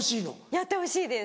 やってほしいです。